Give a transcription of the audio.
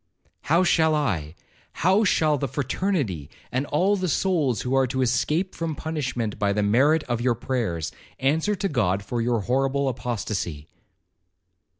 How shall I—how shall the fraternity, and all the souls who are to escape from punishment by the merit of your prayers, answer to God for your horrible apostacy?'